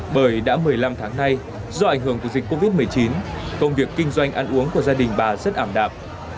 bởi đã một mươi năm tháng nay do ảnh hưởng của dịch covid một mươi chín công việc kinh doanh ăn uống của gia đình bà rất ảm đạp